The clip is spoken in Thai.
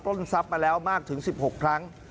ทรัพย์มาแล้วมากถึง๑๖ครั้ง